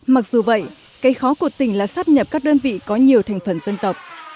mặc dù vậy cây khó của tỉnh là sắp nhập các đơn vị có nhiều thành phần dân tộc